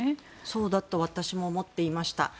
そうだと私も思っていました。